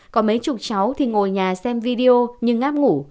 có mấy chục cháu thì ngồi nhà xem video nhưng ngáp ngủ